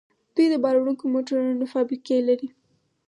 دوی د بار وړونکو موټرو فابریکې لري.